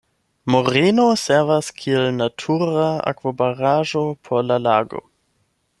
Moreno servas kiel natura akvobaraĵo por la lago.